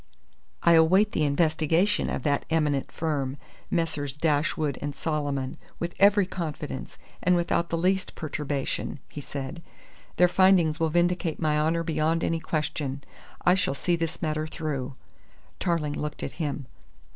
"I await the investigation of that eminent firm, Messrs. Dashwood and Solomon, with every confidence and without the least perturbation," he said. "Their findings will vindicate my honour beyond any question. I shall see this matter through!" Tarling looked at him.